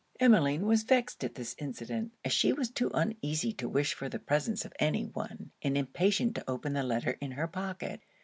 Emmeline was vexed at this incident, as she was too uneasy to wish for the presence of any one, and impatient to open the letter in her pocket.